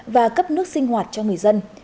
và cấp nước sinh hoạt cho người dân